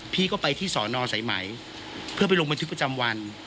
พี่ก็ไปที่สอนอสายไหมเพื่อไปลงบันทึกประจำวัน